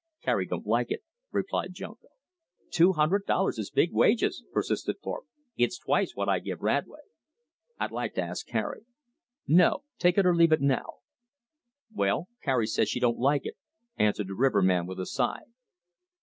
"Carrie don't like it," replied Junko. "Two hundred dollars is big wages," persisted Thorpe. "It's twice what I give Radway." "I'd like to ask Carrie." "No, take it or leave it now." "Well, Carrie says she don't like it," answered the riverman with a sigh.